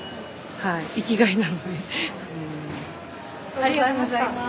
ありがとうございます。